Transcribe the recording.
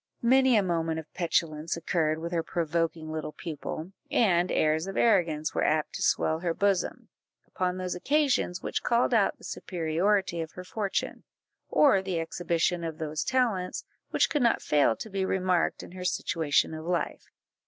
Many a moment of petulance occurred with her provoking little pupil, and airs of arrogance were apt to swell her bosom, upon those occasions which called out the superiority of her fortune, or the exhibition of those talents which could not fail to be remarked in her situation of life.